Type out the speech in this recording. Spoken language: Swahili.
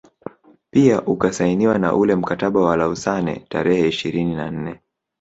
Pia Ukasainiwa na ule mkataba wa Lausanne tarehe ishirini na nne